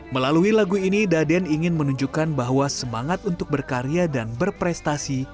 melalui lagu ini daden ingin menunjukkan bahwa semangat untuk berkarya dan berprestasi